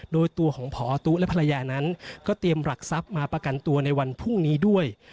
โดยตัวของพอตุ๊และภรรยานั้นก็เตรียมหลักทรัพย์มาประกันตัวในวันพรุ่งนี้ด้วย